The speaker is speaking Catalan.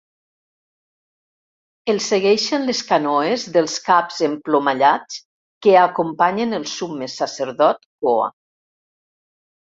El segueixen les canoes dels caps emplomallats que acompanyen el summe sacerdot Koa.